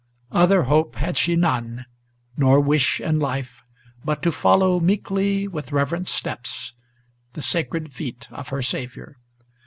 Other hope had she none, nor wish in life, but to follow Meekly, with reverent steps, the sacred feet of her Saviour.